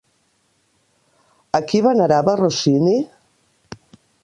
A qui venerava Rossini?